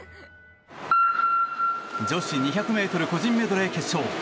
女子２００ｍ個人メドレー決勝。